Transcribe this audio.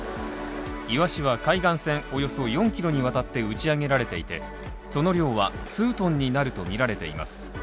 イワシは海岸線、およそ４キロにわたって打ち上げられていて、その量は数ｔになるとみられています。